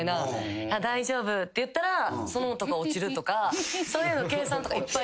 「大丈夫」って言ったらその男は落ちるとかそういうの計算とかいっぱい。